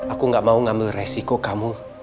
aku gak mau ngambil resiko kamu